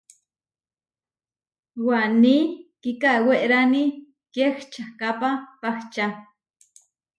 Waní kikawérani kiečahkápa pahča.